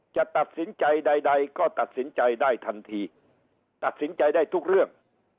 จะตัดสินใจใดใดก็ตัดสินใจได้ทันทีตัดสินใจได้ทุกเรื่อง